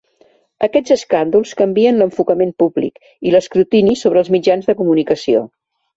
Aquests escàndols canvien l'enfocament públic i l'escrutini sobre els mitjans de comunicació.